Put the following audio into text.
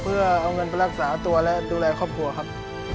เพื่อเอาเงินไปรักษาตัวและดูแลครอบครัวครับ